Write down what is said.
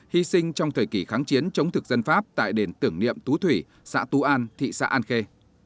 hy sinh trong thời kỳ kháng chiến chống thực dân pháp tại đền tưởng niệm tú thủy xã tú an thị xã an khê